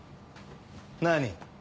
何？